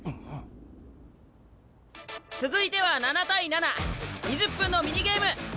続いては７対７２０分のミニゲーム。